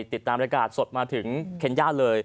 ติดตามรายการสดมาถึงเข็ญญาณเลย